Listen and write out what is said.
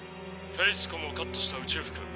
「フェイスコムをカットした宇宙服。